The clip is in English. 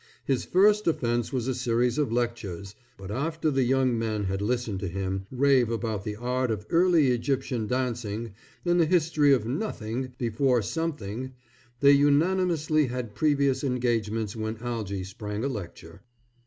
His first offense was a series of lectures, but after the young men had listened to him rave about the art of Early Egyptian Dancing, and the history of Nothing before Something, they unanimously had previous engagements when Algy sprang a lecture.